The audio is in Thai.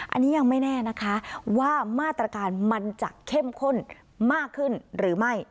อันนี้ยังไม่แน่นะคะว่ามาตรการมันจะเข้มข้นมากขึ้นหรือไม่